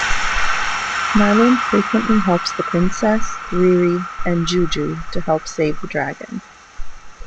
Merlin frequently helps the princess, Riri and Juju to help save the dragon.